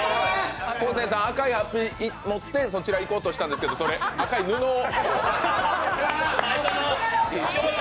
昴生さん、赤いはっぴを持ってそちら行こうとしたんですけど、それ赤い布を。